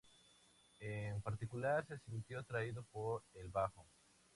En particular se sintió atraído por el bajo.